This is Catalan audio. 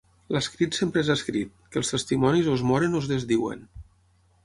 L'escrit sempre és escrit, que els testimonis o es moren o es desdiuen.